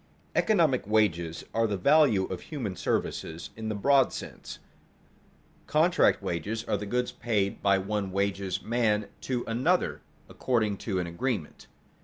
_Economic wages are the value of human services in the broad sense; contract wages are the goods paid by one wages man to another according to an agreement.